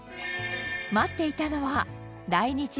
待っていたのは来日５年目